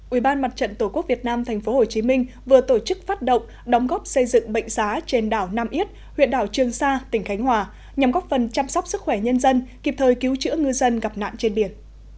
ubnd tổ quốc việt nam tp hcm vừa tổ chức phát động đóng góp xây dựng bệnh xá trên đảo nam yết huyện đảo trường sa tỉnh khánh hòa nhằm góp phần chăm sóc sức khỏe nhân dân kịp thời cứu chữa ngư dân gặp nạn trên biển